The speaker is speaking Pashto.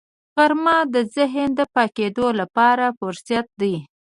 غرمه د ذهن د پاکېدو لپاره فرصت دی